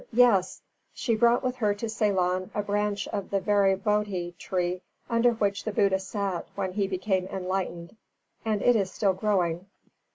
Yes; she brought with her to Ceylon a branch of the very Bodhi tree under which the Buddha sat when he became Enlightened, and it is still growing.